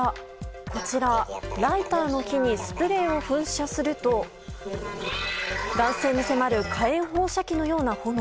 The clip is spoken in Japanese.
こちら、ライターの火にスプレーを噴射すると男性に迫る火炎放射器のような炎。